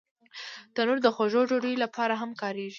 تنور د خوږو ډوډیو لپاره هم کارېږي